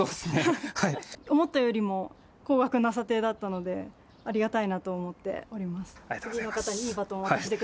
思ったよりも高額な査定だったので、ありがたいなと思っております。